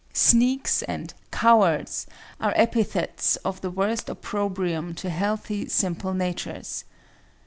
"Sneaks" and "cowards" are epithets of the worst opprobrium to healthy, simple natures.